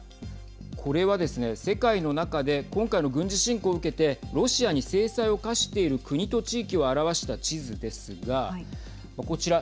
これはですね、世界の中で今回の軍事侵攻を受けてロシアに制裁を科している国と地域を表した地図ですがこちら。